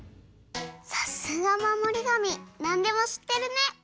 さすがまもりがみなんでもしってるね！